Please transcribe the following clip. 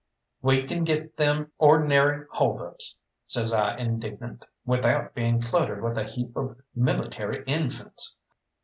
"We can get them or'nary hold ups," says I indignant, "without being cluttered with a heap of military infants.